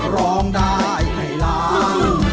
ร้องได้ให้ล้าน